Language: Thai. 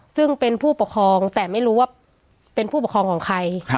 ซึ่งเป็นผู้ปกครองแต่ไม่รู้ว่าเป็นผู้ปกครองของใคร